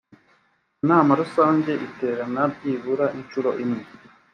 inama rusange iterana byibura inshuro imwe